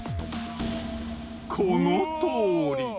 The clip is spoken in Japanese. このとおり。